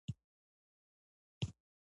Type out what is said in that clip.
سړک خلک یووالي ته رابولي.